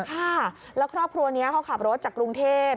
ค่ะแล้วครอบครัวนี้เขาขับรถจากกรุงเทพ